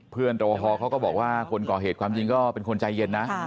รวพอเขาก็บอกว่าคนก่อเหตุความจริงก็เป็นคนใจเย็นนะ